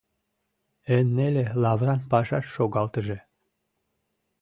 «Эн неле, лавран пашаш шогалтыже...»